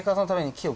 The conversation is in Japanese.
木を？